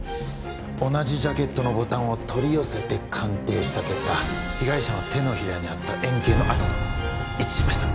同じジャケットのボタンを取り寄せて鑑定した結果被害者の手のひらにあった円形の痕と一致しました。